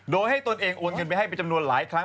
โดยให้ตนเองโอนเงินไปให้เป็นจำนวนหลายครั้ง